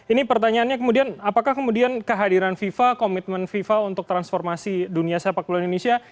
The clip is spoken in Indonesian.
ini pertanyaannya kemudian apakah kemudian kehadiran fifa komitmen fifa untuk transformasi dunia sepak bola indonesia